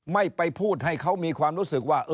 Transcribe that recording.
ไม่ไปพูดให้เขามีความรู้สึกว่า